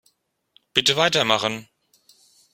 Bitte weitermachen.